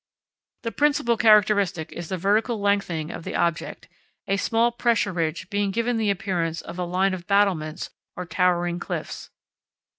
The principal characteristic is the vertical lengthening of the object, a small pressure ridge being given the appearance of a line of battlements or towering cliffs.